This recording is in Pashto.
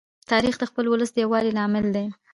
تاریخ د خپل ولس د یووالي لامل دی.